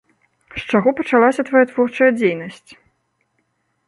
З чаго пачалася твая творчая дзейнасць?